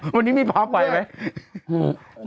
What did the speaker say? วันนี้ไม่พล็อกไหวไหม